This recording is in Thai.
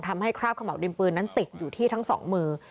ทำให้คราบขะเหมาดินปืนนั้นติดอยู่ที่ทั้งสองมือ